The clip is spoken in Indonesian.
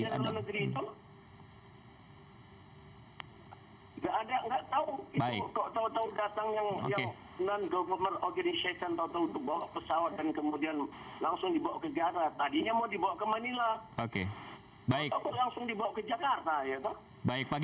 tidak ada tidak tahu